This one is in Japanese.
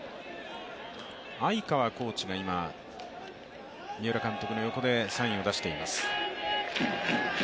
相川コーチが今、三浦監督の横でサインを出しています。